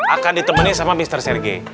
akan ditemenin sama mr sergei